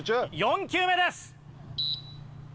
４球目です。